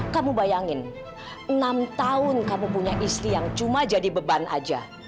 kamu bayangin enam tahun kamu punya istri yang cuma jadi beban aja